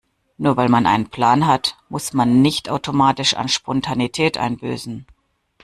Nur weil man einen Plan hat, muss man nicht automatisch an Spontanität einbüßen.